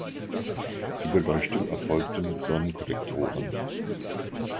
Die Beleuchtung erfolgt mit Sonnenkollektoren.